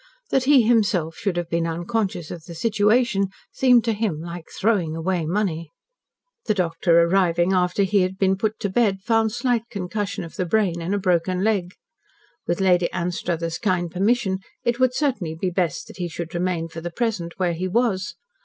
That he himself should have been unconscious of the situation seemed to him like "throwing away money." The doctor arriving after he had been put to bed found slight concussion of the brain and a broken leg. With Lady Anstruthers' kind permission, it would certainly be best that he should remain for the present where he was.